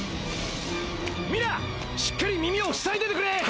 ミラしっかり耳をふさいでてくれ！